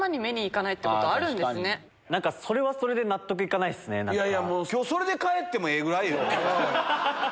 なんかそれはそれで納得いかいやいやもう、きょうそれで帰ってもええぐらいよ。